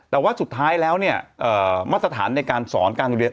แต่ว่าสุดท้ายแล้วเนี่ยมาตรฐานในการสอนการโรงเรียน